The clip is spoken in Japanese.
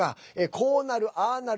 こうなる、ああなる。